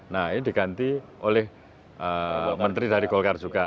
nah ini diganti oleh menteri dari golkar juga